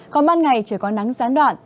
còn ban ngày chỉ có nắng gián đoạn